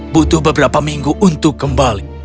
butuh beberapa minggu untuk kembali